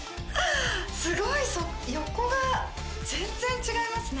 すごい横が全然違いますね